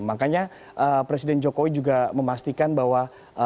makanya presiden jokowi juga memastikan bahwa